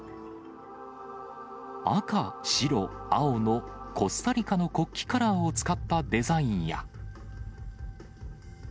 赤・白・青のコスタリカの国旗カラーを使ったデザインや。